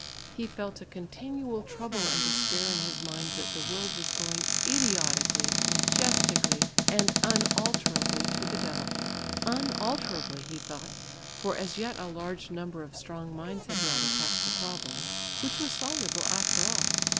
He felt a continual trouble and despair in his mind that the world was going idiotically, majestically and unalterably to the devil. "Unalterably," he thought, for as yet a large number of strong minds had not attacked the problem, which was soluble after all.